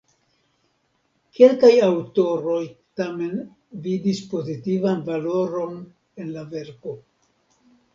Kelkaj aŭtoroj tamen vidis pozitivan valoron en la verko.